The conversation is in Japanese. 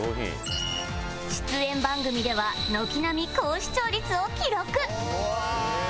出演番組では軒並み高視聴率を記録